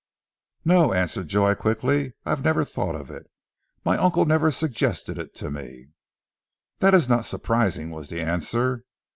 "No!" answered Joy quickly. "I have never thought of it. My uncle never suggested it to me." "That is not surprising," was the answer.